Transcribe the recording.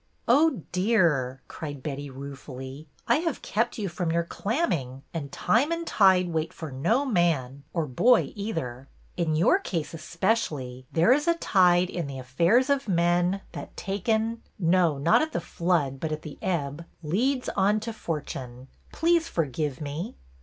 Oh, dear," cried Betty, ruefully, I have kept you from your clamming, and time and tide wait for no man, or boy either. In your case especially there is a tide in the affairs of men that THE CLAMMERBOY 49 taken — no, not at the flood but at the ebb, leads on to fortune. Please forgive me.''